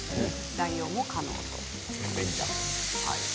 代用も可能と。